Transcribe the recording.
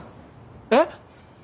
えっ！？